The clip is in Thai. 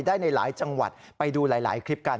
ได้ในหลายจังหวัดไปดูหลายคลิปกัน